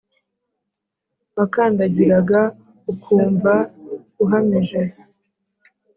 Wakandagiraga ukwumva uhamije